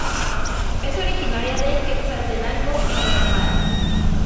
Es originaria de Quetzaltenango en Guatemala.